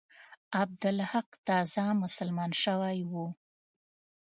عبدالحق تازه مسلمان شوی وو.